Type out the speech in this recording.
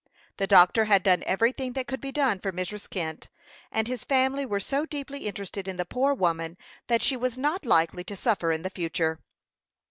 The doctor had done everything that could be done for Mrs. Kent, and his family were so deeply interested in the poor woman that she was not likely to suffer in the future.